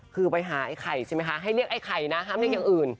คือไปหาไอ้ไข่ใช่ไหมคะให้เรียกไอ้ไข่นะห้ามเรียกอย่างอื่น